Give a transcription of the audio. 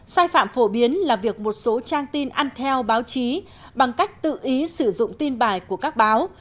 sai phạm phổ biến là việc một số trang tin ăn theo báo chí bằng cách tự ý sử dụng tin bài của các báo